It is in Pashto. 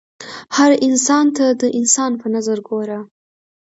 هر انسان ته د انسان په نظر ګوره